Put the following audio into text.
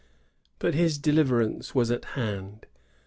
But his deliverance was at hand.